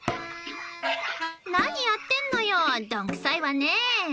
何やってんのよどんくさいわね。